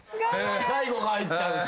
大吾が入っちゃうし。